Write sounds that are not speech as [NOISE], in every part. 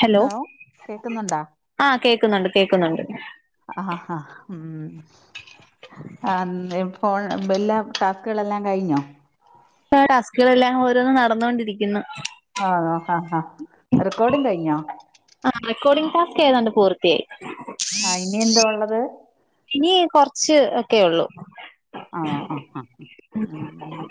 Hello കേക്കുന്നുണ്ടാ ആഹ് കേക്കുന്നുണ്ട് കേക്കുന്നുണ്ട്. ആഹ് ആഹ് ഉം ആഹ് നീ ഫോൺ ബല്യ ടാസ്കുകളെല്ലാം കഴിഞ്ഞോ? എനിക്ക് ആഹ് ടാസ്കുകളെല്ലാം ഓരോന്നും നടന്നോണ്ടിരിക്കുന്നു. ആഹ് നോക്കാം ആഹ് ആഹ്, റെക്കോർഡും കഴിഞ്ഞോ? ആഹ് റെക്കോർഡിങ് ടാസ്ക് ഏതാണ്ട് പൂർത്തിയായി. ആഹ് ഇനി എന്തുവാ ഒള്ളത്. ഇനി കൊറച്ച് ഒക്കെയൊള്ളൂ. ആ ആ ആ ഉം ഉം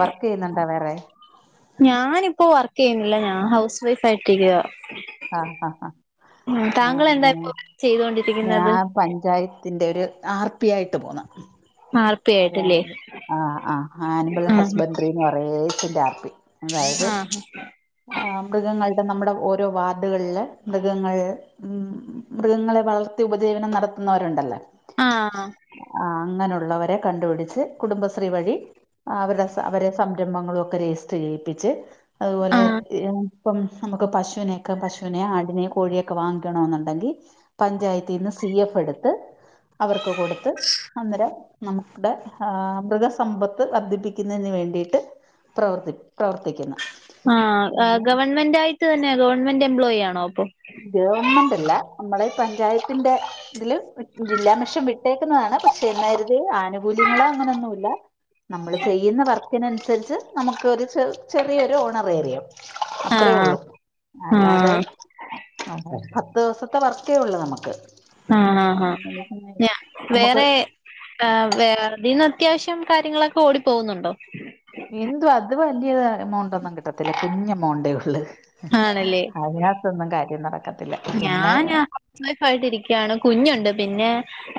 വർക്ക് ചെയ്യുന്നുണ്ടോ വേറെ ഞാനിപ്പോ വർക്ക് ചെയ്യുന്നില്ല ഞാൻ ഹൗസ് വൈഫ് ആയിട്ടിരിക്ക ആഹാ ആഹാ ആഹാ ഉം താങ്കൾ എന്താ ഇപ്പൊ ചെയ്തോണ്ടിരിക്കുന്നത് ഞാൻ പഞ്ചായത്തിന്റെ ഒരു ആർ പി ആയിട്ട് പോണ് കേട്ടിലേ ആഹ് ആ ആനിമൽ ഹസ്ബൻഡറിന്ന് കുറേ ചി ആർപ്പി അതായത് ആഹ് ആഹാ മൃഗങ്ങളുടെ നമ്മുടെ ഓരോ വാർഡുകളില് മൃഗങ്ങൾ ഉം മൃഗങ്ങളെ വളർത്തി ഉപജീവനം നടത്തുന്നവരുണ്ടല്ലാ ആഹാ ആഹാ അങ്ങനെയുള്ളവരെ കണ്ടുപിടിച്ച് കുടുംബശ്രീ വഴി അവരുടെ അവരെ സംരംഭങ്ങളും ഒക്കെ രജിസ്റ്റർ ചെയ്യിപ്പിച്ച് അതുപോലെ ആഹ് ഇപ്പം നമുക്ക് പശുവിനെയൊക്കെ പശുവിനെ ആടിനെ കോഴിയൊക്കെ വാങ്ങിക്കണം എന്നുണ്ടെങ്കി പഞ്ചായത്തീന്ന് സി എഫ് എടുത്ത് അവർക്ക് കൊടുത്ത് അന്നേരം നമ്മുടെ മൃഗസമ്പത്ത് വർദ്ധിപ്പിക്കുന്നതിന് വേണ്ടിയിട്ട് പ്രവർത്തി പ്രവർത്തി ആ ഗവൺമെന്റ് ആയിട്ട് തന്നെ ഗവൺമെന്റ് എംപ്ലോയി ആണോ അപ്പൊ ഗവൺമെന്റ് അല്ല നമ്മളെ ഈ പഞ്ചായത്തിന്റെ ഇതില് ജില്ലാം മെഷം വിട്ടേക്കുന്നതാണ് പക്ഷെ എന്ന് കരുതി ആനുകൂല്യങ്ങൾ അങ്ങനൊന്നുംല്ല്യ നമ്മള് ചെയ്യുന്ന വർക്കിനനുസരിച്ച് നമുക്കൊരു ചെ ചെറിയൊരു ഓണറേറിയം ആഹ് അത്രയേയുള്ളു അല്ലാതെ ആഹ് ഒരു ദിവസത്തെ വർക്കേ ഉള്ളൂ നമുക്ക് ആഹ് ആഹ് നമ്മുക്ക് ആ വേതിന്ന് അത്യാവശ്യം കാര്യങ്ങളൊക്കെ ഓടിപ്പോകുന്നുണ്ടോ എന്തു അത് വലിയ എമൗണ്ട് ഒന്നും കിട്ടത്തില്ല കുഞ്ഞ് അമൗണ്ടേ ഉള്ളു ആണല്ലേ അതിന ന്നും കാര്യം നടക്കത്തില്ല പിന്നെ ഞാൻ ഹൗസ് വൈഫ് ആയിട്ട് ഇരിക്കുകയാണ് കുഞ്ഞുണ്ട് പിന്നെ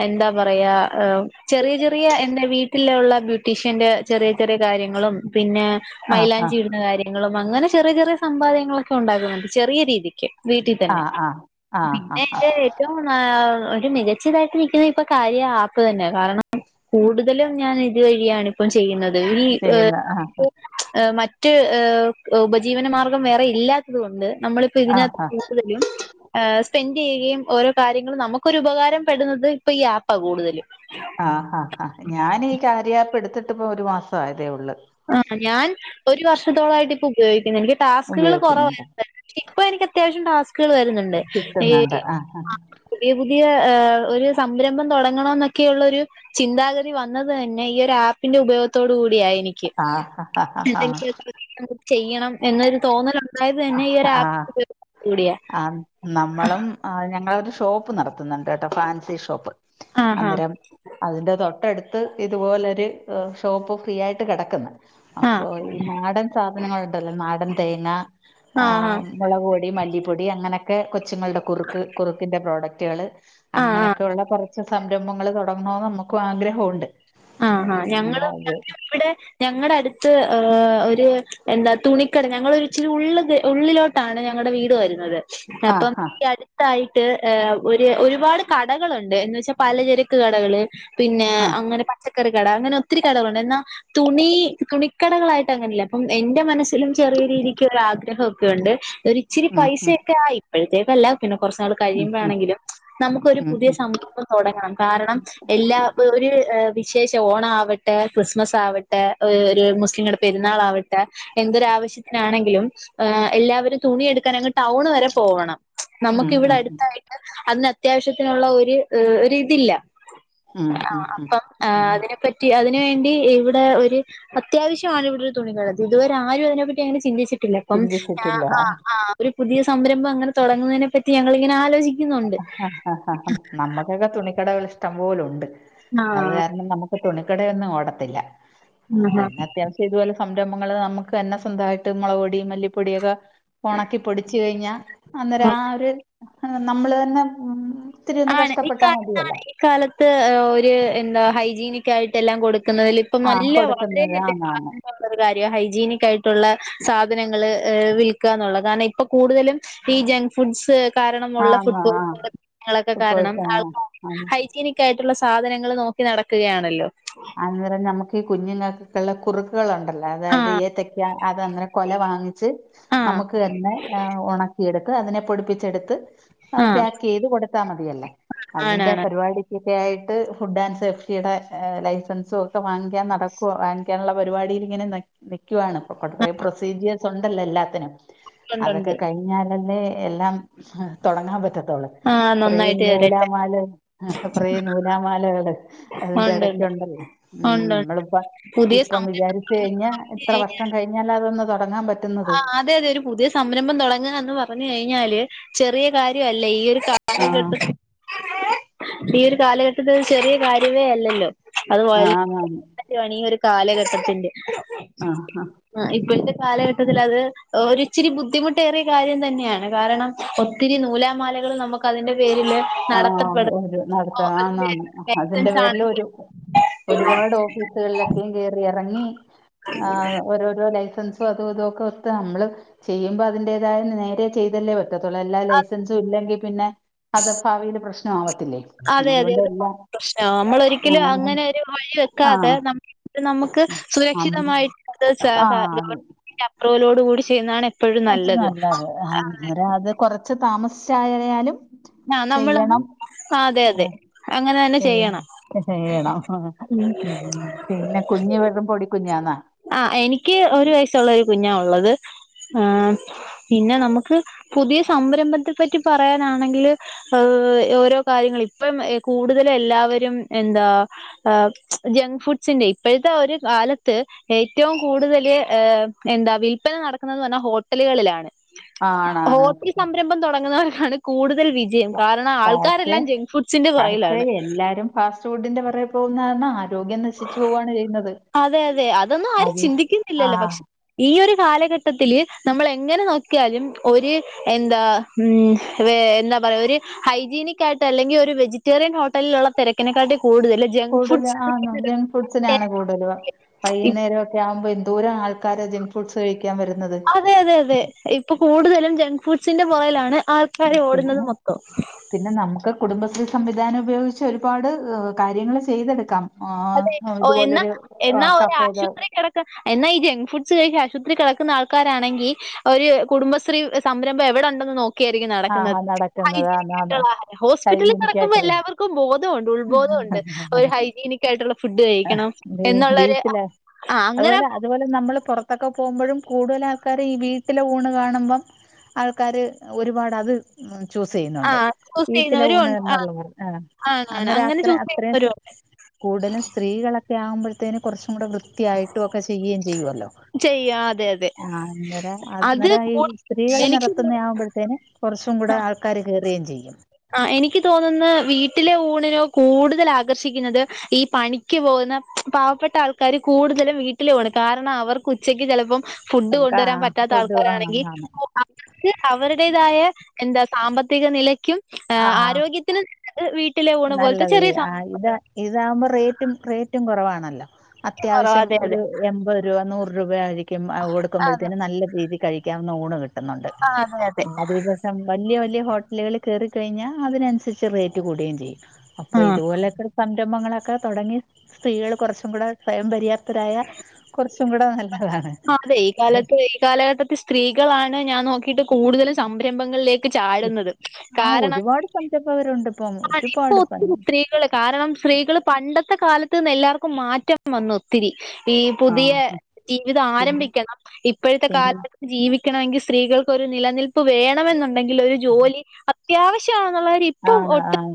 എന്താ പറയാ ഹ് ചെറിയ ചെറിയ എന്റെ വീട്ടിലുള്ള ബ്യൂട്ടീഷ്യന്റെ ചെറിയ ചെറിയ കാര്യങ്ങളും പിന്നെ ആഹ് മൈലാഞ്ചി ആഹ് ഇടുന്ന കാര്യങ്ങളും അങ്ങനെ ചെറിയ ചെറിയ സമ്പാദ്യങ്ങളൊക്കെ ഉണ്ടാക്കുന്നുണ്ട് ചെറിയ രീതിക്ക് വീട്ടി ആഹ് ആഹ് പിന്നെ ആഹ് എൻ്റെ ആഹ് [UNINTELLIGIBLE] ഒരു മികച്ചതാട്ട് നിക്ക്ന്ന ഇപ്പം കാര്യാ ആപ്പ് തന്നെ കാരണം കൂടുതലും ഞാൻ ഇത് വഴിയാണ് ഇപ്പം ചെയ്യുന്നത് ഈ ചെയ്യുന്ന ആഹ് ഹ് മറ്റ് ഏഹ് ഉപജീവനമാർ ഗം വേറെ ഇല്ലാത്തത് കൊണ്ട് നമ്മളിപ്പോ ആഹ് ഇതിനകത്ത് ആഹ് കൂടുതലും. ഏഹ് സ്പെൻ്റയ്യ്യ്യുകയും ഓരോ കാര്യങ്ങള് നമ്മക്കൊരു ഉപകാരം പെടുന്നത് ഇപ്പ ഈ ആപ്പാ കൂടുതല്. ആഹ് ആഹ് ആഹ് ഞാന് കാര്യാ പ്പ്ട്ത്ത്ട്ട് പ്പോ ഒരു മാസം ആയതേ ഒള്ള്. ആഹ് ഞാൻ ഒരു വർഷത്തോളം ആയിട്ട് ഇപ്പൊ ഉപയോഗിക്ക്ന്ന് ൻക്ക് ടാസ്ക്ക്കൾ കൊറവ. ഉപയോഗിക്കുന്നുണ്ട് ഇപ്പ എനിക്ക് അത്യാവശ്യം ടാസ്കള് വരുന്ന്ണ്ട് ഈ ആഹ് പുതിയ പുതിയ ഏഹ് ഒരു സംരംഭം തൊടങ്ങണോന്നൊക്കെയള്ള ഒരു ചിന്താഗതി വന്നത് തന്നെ ഈ ഒര് ആപ്പ്ൻ്റെ ഉപയോഗത്തോട് കൂടിയ എനിക്ക്. ആഹ് ആഹ് ആഹ് [UNINTELLIGIBLE] ചെയ്യണം എന്നൊരു തോന്നല് ണ്ടായതന്നെ ഈ ഒര് ആഹ് ആപ്പ് ആഹ് [UNINTELLIGIBLE] കൂടിയ. ആ നമ്മളും ആ ഞങ്ങളൊരു ഷോപ്പ് നടത്തുന്നുണ്ട്ട്ടോ ഫാൻസി ഷോപ്പ് ആഹ് അന്നേരം അതിന്റെ തൊട്ട അടുത്ത് ഇതുപോലെരു ആഹ് ഷോപ്പ് ഫ്രീ ആയിട്ട് കെടക്കുന്ന് ഹാ അപ്പോ ആഹ് ഈ നാടൻ സാധനങ്ങളുണ്ടല്ലോ നാടൻ തേങ്ങ ആ ആഹ് ഹാ എ് മുളക് പൊടി, മല്ലിപ്പൊടി അങ്ങനെ ക്കെ കൊച്ചുങ്ങൾടെ കുറുക്ക് കുറുക്കിൻ്റെ പ്രോഡക്ടുകൾ ആഹ് ആഹ് അങ്ങനൊക്കെ ഉള്ള കൊ റച്ച് സംരംഭങ്ങൾ തുടങ്ങണോന്ന് നമുക്കും ആഗ്രഹോണ്ട് ആഹ് ആഹ് ഞങ്ങള് ഞങ്ങള് ഇവിടെ ഞങ്ങടെ അടുത്ത് ഏ ഒരു എന്താ തുണിക്കട ഞങ്ങളൊച്ചിരി ഉള്ള് കേ ഉള്ളിലോട്ടാണ് ഞങ്ങടെ വീട് വരുന്നത് ആ അപ്പം ആ ഈ അടുത്തായിട്ട് എ ഒരു ഒരുപാട് കടകളുണ്ട് എന്ന് വെച്ചാ, പലചരക്ക് കടകള് പിന്നെ ആ അങ്ങനെ പച്ചക്കറി കട അങ്ങനെ ഒത്തിരി കടകളുണ്ട് എന്നാ തുണി തുണിക്കടകളായിട്ട് അങ്ങനില്ല അപ്പം എന്റെ മനസ്സി ലും ചെറിയ രീതിക്ക് ഒരാഗ്രഹൊക്കെണ്ട് ഒരിച്ചിരി ഉം ഉം പൈസൊക്കെ ആയി ഇപ്പോഴത്തേക്കല്ല പിന്നെ കുറച്ചു നാള് ഉം കഴിയുമ്പോ ഉം ആണെങ്കിലും നമുക്കൊരു ഉം പുതിയ സംഭ ഭം തുടങ്ങാം കാരണം എല്ലാ ഒരു വിശേഷം ഓണം ആവട്ടെ ക്രിസ്മസ് ആവ ട്ടെ ഒരു മുസ്ലിങ്ങടെ പെരുന്നാൾ ആവട്ടെ എന്തൊരു ആവശ്യത്തിനാണെങ്കിലും എ എല്ലാവരും തുണിയെടുക്കാൻ അങ്ങ് ടൗണ് വരെ പോകണം ച് ഉം ഉം നമുക്ക് ഇവിടെ ഉം അടുത്തായി ട്ട് അതിന് അത്യാവശ്യത്തിനുള്ള ഒരു ഒരിതില്ല ഉം ഉം ഉം ഉം പറ്റി അതിന് വേണ്ടി ഇവിടെ ഒരു അത്യാവശ്യമാണ് ഇവിടെ ഒരു തുണികട ഇതുവരെ ആരും അതിനെപ്പറ്റി അങ്ങനെ ചിന്തിച്ചിട്ടില്ല അപ്പം ഞാ ചിന്തിച്ചിട്ടില്ല ആ ആഹ് ആഹ് ഒരു പുതിയ സംരംഭം അങ്ങനെ തൊടങ്ങുന്നതിനെ പറ്റി ഞങ്ങളിങ്ങനെ ആലോചി അഹ് ഹഹഹ നമ്മുക്കൊക്കെ തുണിക്കടകൾ ഇഷ്ടം പോലുണ്ട് അത് കാരണം നമു ക്ക് തുണിക്കടൊന്നും ഓടത്തില്ല പിന്നെ ആഹ് അത്യാവശ്യ ഇതുപോലെ സംരംഭങ്ങള് നമുക്ക് തന്നെ സ്വന്തായിട്ട് മൊളക് പൊടി, മല്ലിപ്പൊടിയൊക്കെ ഒണക്കി പൊടിച്ചു കഴിഞ്ഞാ അന്നേരം ആ ഒരു നമ്മള് ത ന്നെ മ് ഇത്തിരി ഒന്ന് ആണ് ഇക്ക കഷ്ടപ്പെട്ടാൽ മതിയല്ലോ കാലത്ത് എ് ഒര് എന്താ ഹൈജീനിക് ക്കായിട്ട് എല്ലാം കൊടുക്കുന്നതിൽ ഇപ്പം ആ നല്ല [INAUDIBLE] കൊടുക്കുന്നത് ആന്ന് ആന്ന് പ്പൊര് കാര്യ ഹൈജീനിക് ആയിട്ടുള്ള സാധനങ്ങള് എ വിൽക്കാന്നുള്ളത് കാരണം ഇപ്പൊ കൂടുതലും പ്പഈ ജങ്ക് ഫുഡ്സ് കാരണമുള്ള ആന്ന് ഫുഡ് പോയ് ആ [UNINTELLIGIBLE] കാര്യങ്ങളൊക്കെ ഇപ്പോ കാരണം ആൾക്കാര് ആ ഹൈജിനി ക്കായിട്ടുള്ള സാധനങ്ങള് നോക്കി നടക്കുകയാണല്ലോ അന്നേരം ഞമുക്കീ കുഞ്ഞിങ്ങൾക്കൊക്കെള്ള കുറുക്കുകളുണ്ട ല്ലോ അതായത് ആഹ് ഏത്തക്ക അതങ്ങെനെ കൊല വാങ്ങിച്ച് ആഹ് നമുക്ക് തന്നെ എ് ഒണക്കിയെടു അതിനെ പൊടിപ്പിച്ചെടുത്ത് ആഹ് പാക്ക് ചെയ്ത് കൊടുത്താൽ മതിയല്ലേ അതിന്റെ ആണാണ് പരിപാടി തക്കയിട്ട് ഫുഡ് ആൻഡ് സേഫ്റ്റിയുടെ ലൈഫ് സെൻസോ ഒക്കെ വാങ്ങിക്കാൻ നടക്കുവാ വാങ്ങിക്കാനുള്ള പരിപാടിയിൽ ഇങ്ങനെ നിക്കുവാണ് കുറേ പ്രൊസീജിയേഴസ് ഉണ്ടല്ലോ എല്ലാത്തിനും അതൊക്കെ ഉണ്ടുണ്ട് കഴിഞ്ഞാലല്ലേ എല്ലാം തുടങ്ങാൻ പറ്റത്തുള്ളൂ ആഹ് കുറേ നന്നായിട്ട് വരട്ടെ നൂലാമാല കുറേ നൂലാമാലകള് അതിന്റെ ഉണ്ടുണ്ട് ഇടയ്ക്കുണ്ടല്ലോ ഉം ഉണ്ടുണ്ട് നമ്മളിപ്പ പുതിയ ഇപ്പം വിചാരിച്ച കഴിഞ്ഞാ ഇത്ര സംരംഭം വർഷം കഴിഞ്ഞാല അതൊന്ന് തുടങ്ങാൻ പറ്റ ആ അതെ അതെ ഒരു പുതിയ സംരംഭം തുടങ്ങുക എന്ന് പറഞ്ഞു കഴിഞ്ഞാല് ചെറിയ കാര്യം അല്ല ഈ ഒരു ആഹ് കാലഘട്ട ഈ ഒരു കാലഘട്ടത്തി ചെറിയ കാര്യമേ അല്ലല്ലോ ആഹ് ആന്നാന്ന് അത്പോലാണ് ഈ ഒരു കാലഘട്ടത്തിൽ ആഹ് ഹ ആ ഇപ്പോഴത്തെ കാലഘട്ട- ട്ടതിൽ അത് ഒരിച്ചിരി ബുദ്ധിമുട്ടേറിയ കാര്യം തന്നെയാണ് കാരണം ഒത്തിരി നൂലാമാലകൾ നമുക്ക് ക്കതിന്റെ പേരില് ആഹ് നടത്തപ്പെടും ഒരു നടത്ത ആന്നാ അതിന്റെ ന്ന് അതിന്റെ ലൈസൻസ് ആണെങ്കിലും പേരില് ഒരു ഒരുപാട് ഓഫീസുകളിലൊക്കെ കേറി ഇറങ്ങി ആ- ഓരോരോ ലൈസൻസും അതും ഇതൊക്കെ ഒത്ത് നമ്മള് ചെയ്യുമ്പോ അതിന്റേതായ നേരെ ചെയ്തല്ലേ പറ്റു പറ്റത്തുള്ള എല്ലാ ലൈസൻസും ഇല്ലെങ്കിൽ പിന്നെ അതഭാവിൽ പ്രശ്നം ആവത്തില്ലേ അതെ അതെ അതുകൊണ്ട് അത് എല്ലാം പ്രശ്ന നമ്മൾ ഒരിക്കലും ആഹ് അങ്ങനെ ഒരു വഴി വെക്കാതെ ആഹ് ന അത് നമുക്ക് സുരക്ഷിതമായിട്ട് അത് ആഹ് അത് ഗവൺമെന് അപ്രൂവലോട് കൂടി ചെയ്യുന്നതാണ് എപ്പോഴും അത് നല്ലത്. നല്ലത് അത് കൊറച്ച് താമസ് ചായായാലും ആ നമ്മളത് ചെയ്യണം അതെ അതെ ആ അങ്ങനെ തന്നെ ചെയ്യണം. ചെയ്യണം ഉം ഉ പിന്നെ കുഞ്ഞഞ് വെറും പൊടിക്കുഞ്ഞന്നാ ആ എനിക്ക് ഒരു വയസ്സുള്ള ഒരു കുഞ്ഞാ ഉള്ളത് ആ പിന്നെ നമുക്ക് പുതിയ സംരംഭത്തെ പറ്റി പറയാനാണെങ്കില് ഏഹ് ഓരോ കാര്യങ്ങൾ ഇപ്പം കൂടുതല എല്ലാവരും എന്താ ആഹ് ജങ്ക് ഫുഡ്സിന്റെ ഇപ്പോഴത്തെ ഒരു കാലത്ത് ഏറ്റവും കൂടുതൽഏ എന്താ വിൽപ്പന നടക്കുന്നെന്ന് പറഞ്ഞാൽ ഹോട്ടലുകളിലാണ് ആണാണ് ഹോട്ടി സംരംഭം തുടങ്ങുന്നവർക്കാണ് കൂടുതൽ വി- ജം കാരണം പക്ഷെ ആൾക്കാരെല്ലാം ജങ്ക് ഫുഡ്സിന്റെ പക്ഷെ പിറകിലാണ് എല്ലാരും ഫാസ്റ്റ് ഫുഡിന്റെറെ പറയ പോകുന്നാ ആ രോഗ്യം നശിച്ചു പോവണ് ചെയ്യുന്നത് അതെ അതെ അതൊന്നും ആരും അത ആ ചിന്തിക്കുന്നില്ലല്ലോ പക്ഷെ ഈ ഒരു കാലഘട്ടത്തില് നമ്മൾ എങ്ങനെ നോക്കിയാലും ഒരു എന്താ ഉ എന്താ പറയ ഒരു ഹൈജീനക് ആയിട്ട് അല്ലെങ്കിൽ ഒരു വെജിറ്റേറിയൻ ഹോട്ടലിലുള്ള തിരക്കിനക്കാട്ടിം കൂടുതല് കൂടുത ആ ജങ്ക് ഫുഡ്സിനാണ് കൂടുതൽ ഇ വൈകുന്നേരമൊക്കെ ആ - വുമ്പോ എന്തോരം ആൾക്കാര ജക് ഫുഡ്സ് കഴിക്കാൻ വരുന്നത് അതെ അതെ അതെ ഇപ്പൊ കൂടുതലും ജങ്ക് ഫുഡ്സിന്റെ പുറയിലാണ് ആൾക്കാരെ പിന്നെ ഓടുന്നുന്നത് മൊത്തം പിന്നെ നമുക്ക് കുടുംബശ്രീ സംവിധാനം ഉപയോഗിച്ച് ഒരുപാട് കാര്യങ്ങൾ ചെയ്തെടുക്കാം അതെ ഓ എന്നാ ഇതുപോലൊരു എന്നാ ഒ കഫേകൾ ആശുപത്രി കട എന്നാ ഈ ജങ്ക് ഫുഡ്സ് കഴി ആശുപത്രിൽ കിടക്കുന്ന ആൾക്കാരാണെങ്കിൽ ഒരു കുടുംബശ്രീ സംരംഭം എവിടെ ഉണ്ടെന്ന് നോക്കി ക്കിയയ്ക്കാരം ആ നടക്കുന്നത് നടക്കുന്നത് ഹൈജായിയിട്ടുള്ളഹാരം ഹോസ്പിറ്റലിൽ കിടക്കുമ്പോൾ ഹൈജീനിക്കായിട്ട് എല്ലാവർക്കും ബോധമുണ്ട് ഉത്ബോധമുണ്ട് ഒരു ഹൈജീനിക്- ട്ടുള്ളൊരു ഫുഡ് കഴിക്കണം എന്നുള്ള രു വീട്ടില് ആ അങ്ങനെ അതുപോലെ അതുപോലെ നമ്മള് പുറത്തൊക്കെ പോകുമ്പോഴും കൂടുതൽ ആൾക്കാരെ ഈ വീട്ടിലെ ഊണ് കാണുമ്പം ആൾക്കാര് ഒരുപാട് അത് ചൂസ് ആ ചെയ്യുന്നുണ്ട് ചൂസ് വീട്ടിലെ ചെയ്യുന്നവരും ഊണ ഉണ്ട്. ആ എന്നുള്ളവ ആണ് ആണ് അന്നേരം അങ്ങനെ അത്ര ചൂസ് അത്രയും ചെയ്യുന്നവരും ഉണ്ട്. കൂടുതലും സ്ത്രീകളൊ ക്കെ ആവുമ്പോഴത്തേന് കുറച്ചും കൂടെ വൃത്തിയായിട്ടും ഒക്കെ ചെയ്യുകയും ചെയ്യുവല്ലോ ചെയ്യാ അതെ അതെ ആഹ് അന്നര അത് അന്നര ഈ സ്ത്രീകള് എനിക്ക് നടത്തുന്നാവുമ്പഴ്തേനു കുറച്ചും കൂടെ ആൾക്കാര് കയറുകയും ചെയ്യും ആ എനിക്ക് തോന്നുന്ന വീട്ടിലെ ഊണിനോ കൂടുതൽ ആകർഷിക്കുന്നത് ഈ പണിക്ക് പോകുന്ന പാവപ്പെട്ട ആൾക്കാര് കൂടുതലും വീട്ടിൽ പോണ് കാരണം അവർക്ക് ഉച്ചക്ക് ചിലപ്പ ഫുഡ് കാ കൊണ്ടുവരാൻ പറ്റാത്ത ഫുഡ് ആൾക്കാരാണെങ്കിൽ വാങ്ങാന് വർക്ക് അവരുടേതായ എന്താ സാമ്പത്തിക നിലയ്ക്കും ആഹ് ആരോഗ്യത്തിനും ത് വീട്ടിലെ ഊണ് പോലത്തെ നല്ലത് ചെറിയ ആഹ് ഇത് സംഭവങ്ങള ഇതാകുമ്പോ റേറ്റും റേറ്റും കുറവാണല്ലോ കുറവാ അത്യാവശ്യം അതെ അതെ ഒരു എൺപത് രൂപ നൂറ്റ് രൂപ ആയിരിക്കും അത് അതെ കൊടുക്കുമ്പോഴത്തേും നല്ല രീതി കഴിക്കാവുന്ന ഊണ് കിട്ടുന്നുണ്ട് ആ അതെ അതെ അതിപസം വല്യ വല്യ ഹോ ട്ടല്കൾ കേറിക്കഴിഞ്ഞാൽ അതിനനുസരിച്ച് റേറ്റ് കൂടുകയും ചെയ്യും അപ്പോ ഉം ഇതുപോലെക്കെ സംരംഭങ്ങളൊക്കെ തൊടങ്ങി സ്ത്രീകൾ കുറച്ചും കൂടെ സ്വയം പര്യാപ്തരായ കുറച്ചും കൂടെ നല്ലതാണ് ആഹ് അതെ ഈ കാലത്ത് ഈ കാലഘട്ടത്തെ സ്ത്രീകളാണ് ഞാൻ നോക്കിട്ട് കൂടുതലും സംരംഭങ്ങളിലേക്ക് ലേക്ക് ചാടുന്നത് കാരണം സംഭരമ്പകരുണ്ട് ഇപ്പോ ഒരു പാട്പ്പ സ് കാരണം സ്ത്രീകള് പണ്ടത്തെ കാലത്ത് നിന്ന് എല്ലാവർക്കും മാറ്റം വന്നാെത്തിരി ഈ ആ പുതിയ ജീവിതം പിന്നെ ആരംഭിക്കണം ഇപ്പഴ്ത്തെ കാല പിന്നെ ജീവിക്കെണെമെങ്കി സ്ത്രീകൾക്കാെരു നിലനിൽപ്പ് വേണമെന്നുണ്ടെങ്കിൽ ഒരു ജോലി അ അത്യാവശ്യമാന്നുള്ള രി ആഹ് ആഹ്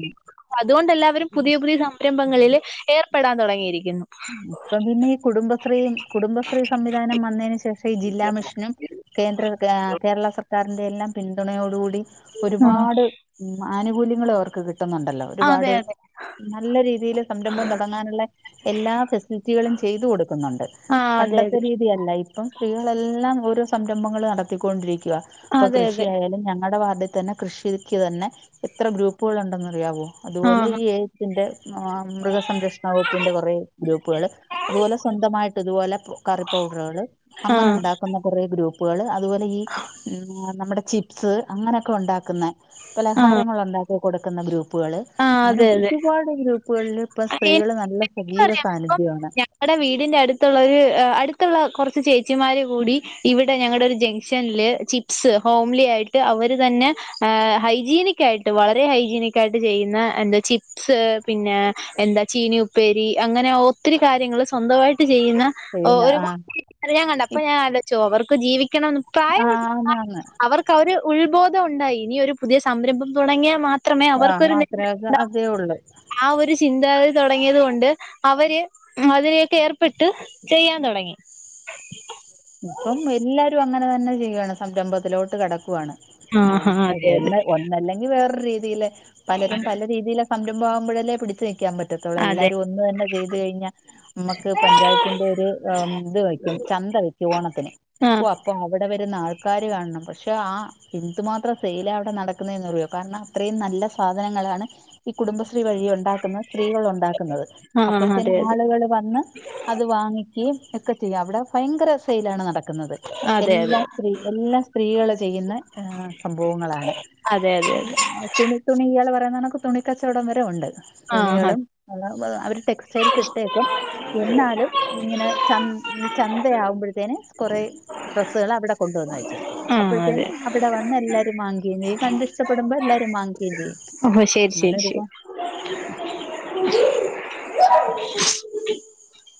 അത്കൊണ്ട് എല്ലാവരും പുതിയ പുതിയ സംരംഭങ്ങളില് ഏർപ്പെടാൻ തൊടങ്ങിയിരിക്കുന്നു ഇപ്പം പിന്നെ ഈ കുടുംബശ്രീം കുടുംബശ്രീ സംവിധാനം വന്നേയ്ന് ശേഷം ഈ ജില്ലാ മിഷനും കേന്ദ്ര ആഹ് കേരെള സർക്കാരിന്റെ എല്ലാം പിന്തുണയോടു കൂടി ആഹ് ഒരുപാട് ഉം ആനുകൂല്യങ്ങളും അവർക്ക് കിട്ടുന്നുണ്ടല്ലോ അതെ ഒരുപാട് അതെ നല്ല രീതിയില് സംരംഭം താെടങ്ങാനുള്ളെ എല്ലാ ഫെസിലിറ്റികളും ചെയ്ത് കൊട്ക്കുന്നുണ്ട് ആഹ് അതെ പണ്ടത്തെ അതെ രീതിയല്ല ഇപ്പം സ്ത്രീകെളെല്ലാം ഓരോ സംരംഭങ്ങള് നടത്തിക്കൊണ്ടിരിക്കുവാ ഇപ്പം അതെ അതെ കൃഷിയായാലും ഞങ്ങടെ വാർഡിതന്നെ കൃഷിക്ക് തന്നെ എത്രെ ഗ്രൂപ്പുകളുണ്ടെന്നറിയാവോ അത്പോലെ ആഹ് ഈ ഏയ്സിന്റെ മൃഗസംരക്ഷണ വകുപ്പിന്റെ കൊറേ ഗ്രൂപ്പുകള് അത്പോലെ സ്വന്തമായിട്ട് ഇത്പോലെ കറി പൗഡറ്കള് ആഹ് അങ്ങെനെണ്ടാക്കുന്ന കാെറേ ഗ്രൂപ്പ്കള് അ ത്പോലെ ഈ ഉം നമ്മടെ ചിപ്സ് അങ്ങനൊക്കെ ഒണ്ടാക്കുന്നെ ആഹ് പലഹാരങ്ങളുണ്ടാ ക്കി കൊട്ക്ക്ന്ന ഗ്രൂപ്പുകള് ആഹ് അങ്ങെനെ അതെ അതെ ഒരുപാട് ഗ്രൂപ്പുകൾലിപ്പം സ്ത്രീകള് നല്ല [UNINTELLIGIBLE] സജീവ റിയപ്പം [UNINTELLIGIBLE] സാന്നിധ്യമാണ് ങ്ങെടെ വീടിന്റെ അട്ത്ത്ള്ളൊര് അ അട്ത്തുള്ള കാെറച്ച് ചേച്ചിമാര് കൂടി ഇവിടെ ഞങ്ങെടാെര് ജെഗ്ഷൻല് ചിപ്സ് ഹോംലി ആയ്ട്ട് അവര് തന്നെ ഹൈജീനിക്കായിട്ട് വളെരെ ഹൈജീനിക്കായിട്ട് ചെയ്യ്ന്ന എന്താ ചിപ്സ് പിന്നെ എന്താ ചീനി ഉപ്പേരി അങ്ങെനെ ഒത്തിരി കാര്യങ്ങള് സ്വന്തമായിട്ട് ചെയ്യ്ന്ന പിന്നെ ഒരു ആ റിയാൻ കണ്ട അപ്പൊ ഞാൻ ആലോയ്ച് ഓ അവർക്ക് ജീവിക്കണം ആ പ്രായമു പ്രായ ആന്നാന്ന് അവർ ക്കാ ഒര് ഉൾബോധം ഉണ്ടായി ഇനി ഒരു പുതിയ സംരംഭം തുടങ്ങിയാ മാ ത്രമേ ആ അവർക്കാെരു നില മാത്രമേ നിൽപ്പ്ണ്ട് അതേ ഉള്ളൂ [UNINTELLIGIBLE] ആ ഒര് ചിന്താഗതി താെടങ്ങിയത് കൊണ്ട് അവര് അതിലേക്കേർപ്പെട്ട് ചെയ്യാൻ തൊടങ്ങി [UNINTELLIGIBLE] ഇപ്പം എല്ലാരും അങ്ങെനെ തന്നെ ചെയ്യുവാണ് സംരംഭത്തിലോട്ട് കടക്കുവാണ് ആഹ് ഏഹ് ആഹ് അതെ ഒന്ന് ഒന്നല്ലെങ്കി വേറൊറ് രീതീല് പലരും പല രീതിയിലെ സംരംഭം ആവുമ്പഴല്ലേ പിടിച്ച് നിക്കാൻ പ റ്റത്തൊള്ളൂ അതെ എല്ലാരും ഒ ന്ന് തന്നെ ചെയ്ത് കയ്ഞ്ഞാ മ്മക്ക് പഞ്ചായത്തിന്റെ ഒര് ഏഹ് ഇത് വയ്ക്കും ചന്ത വയ് ക്കും ഓണത്തിന് അതെ ഓഹ് അപ്പൊ അവിടെ വെര്ന്ന ആൾക്കാര് കാണണം പക്ഷെ ആ എന്തുമാത്രം സെയ്‌ലാ അവിടെ നടക്ക്ന്നേന്ന്റിയോ കാരണം അത്രെയും നല്ല സാധനങ്ങളാണ് ഈ കുടുംബശ്രീ വഴി ഉണ്ടാക്ക്ന്ന സ്ത്രീകളുണ്ടാക്ക്ന്നത് ആഹ് ആഹ് അപ്പോഴ്ത്തേന് അതെ ആള്കള് വന്ന് അത് വാങ്ങിക്കെയും എക്കെ ചെയ്യും അവിടെ ഭയെങ്കെര സെയ്ലാണ് നടക്ക്ന്നത് അതെ അതെ എല്ലാം സ്ത്രീ എല്ലാം സ്ത്രീകള് ചെയ്യ്ന്നെ ഏഹ് സംഭവങ്ങളാണ് തെ അതെ അതെ തുണി തുണി ഇയാള് പറയുന്ന കണെക്ക് തുണിക്കച്ചോടം വരെ ഉണ്ട് ആഹ് തുണികളും അവര് ടെക്സ്റ്റൈൽസിട്ടേക്കും എന്നാലും ഇങ്ങെനെ ച ഈ ചന്തയാവുമ്പഴ്ത്തേന് കൊറേ ഡ്രസ്സ്കള് അവിടെ കൊണ്ട്‌വന്ന്‌വയ്ക്കും ആഹ് അപ്പഴ്ത്തേന് അതെ അവിടെ വന്ന് എല്ലാരും വാങ്ങിക്കേയും ചെയ്യും കണ്ട് ഇഷ്ടപ്പെട്മ്പ എല്ലാരും വാങ്ങിക്കേയും ചെയ്യും ഓഹോ ശെരി അങ്ങനെ ശെരി ഒരുപാ ശെരി [UNINTELLIGIBLE]